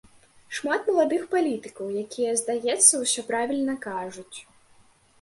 Шмат маладых палітыкаў, якія, здаецца, усё правільна кажуць.